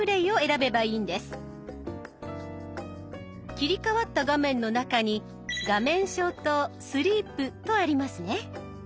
切り替わった画面の中に「画面消灯」とありますね。